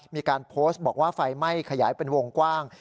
มีการโพสต์บอกว่าไฟไหม้ขยายเป็นวงกว้าง